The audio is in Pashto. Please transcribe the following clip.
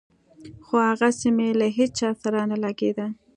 خو هغسې مې له هېچا سره نه لګېده.